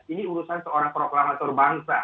ini urusan seorang proklamator bangsa